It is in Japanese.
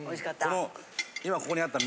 この今ここにあった。